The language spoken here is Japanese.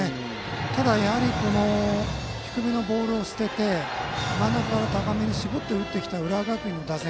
ただやはり低めのボールを捨てて真ん中から高めに絞って打ってきた浦和学院の打線。